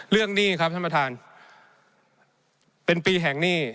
หนี้ครับท่านประธานเป็นปีแห่งหนี้